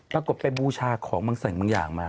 ปรากฏไปบูชาของบางสิ่งบางอย่างมา